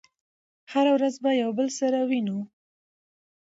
هره ورځ به يو بل سره وينو